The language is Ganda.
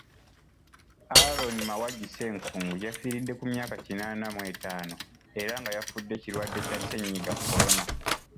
Aaron Mawagi Ssenkungu yafiiridde ku myaka kinaana mu etaano era nga yafudde kirwadde kya Ssennyiga Corona.